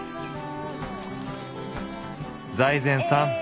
財前さん